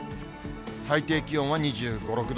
最低気温は２５、６度。